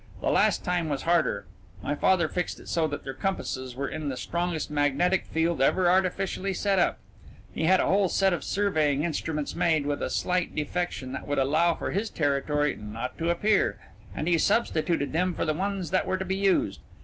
The last time was harder. My father fixed it so that their compasses were in the strongest magnetic field ever artificially set up. He had a whole set of surveying instruments made with a slight defection that would allow for this territory not to appear, and he substituted them for the ones that were to be used.